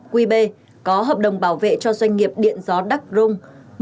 quy b có hợp đồng bảo vệ cho doanh nghiệp điện gió đắc rung một trăm hai mươi ba